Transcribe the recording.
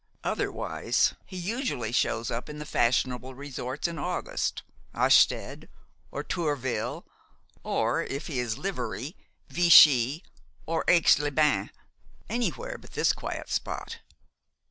Otherwise, he usually shows up in the fashionable resorts in August, Ostend, or Trouville, or, if he is livery, Vichy or Aix les Bains, anywhere but this quiet spot.